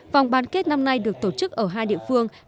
vòng bán kết năm nay được tổ chức ở hai địa phương